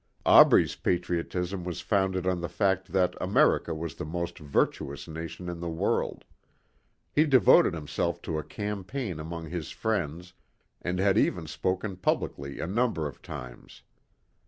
Aubrey's patriotism was founded on the fact that America was the most virtuous nation in the world. He devoted himself to a campaign among his friends and had even spoken publicly a number of times.